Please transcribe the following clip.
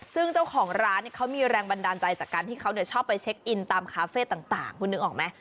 ซึ่งเจ้าของร้านเขามีแรงบันดาลใจจากการที่เขาชอบไปเช็คอินตามคาเฟ่ต่างคุณนึกออกไหม